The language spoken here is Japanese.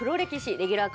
レギュラー化